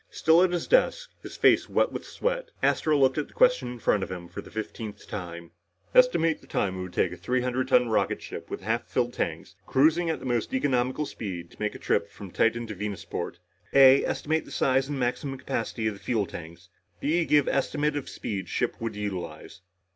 Still at his desk, his face wet with sweat, Astro looked at the question in front of him for the fifteenth time. "... Estimate the time it would take a 300 ton rocket ship with half filled tanks, cruising at the most economical speed to make a trip from Titan to Venusport. (a) Estimate size and maximum capacity of fuel tanks. (b) Give estimate of speed ship would utilize...."